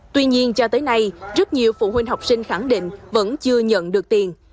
tuy nhiên cho tới nay rất nhiều phụ huynh học sinh khẳng định vẫn chưa nhận được tiền